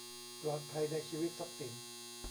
ปลอดภัยในชีวิตทรัพย์สิน